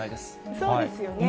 そうですよね。